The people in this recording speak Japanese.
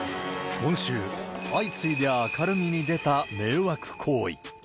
今週、相次いで明るみに出た迷惑行為。